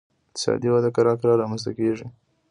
اقتصادي وده کرار کرار رامنځته کیږي